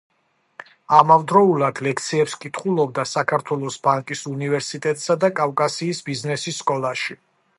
ამავდროულად ლექციებს კითხულობდა საქართველოს ბანკის უნივერსიტეტსა და კავკასიის ბიზნესის სკოლაში.